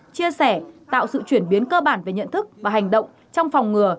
chia sẻ tạo sự chuyển biến cơ bản về nhận thức và hành động trong phòng ngừa